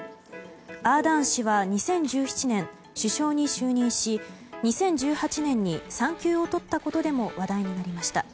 アーダーン氏は２０１７年、首相に就任し２０１８年に産休を取ったことでも話題になりました。